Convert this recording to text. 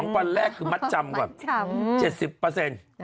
วันแรกคือมัดจำก่อน๗๐